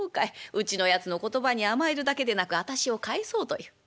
うちのやつの言葉に甘えるだけでなく私を帰そうという。